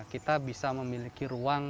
kita bisa memiliki ruang